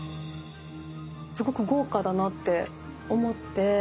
すごく豪華だなって思って。